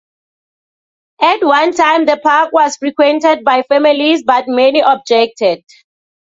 At one time the park was frequented by families, but many objected.